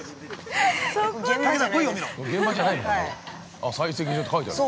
あっ、採石場って書いてある。